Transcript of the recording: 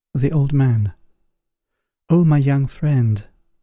The Old Man. Oh, my young friend!